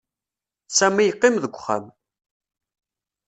Sami yeqqim deg uxxam.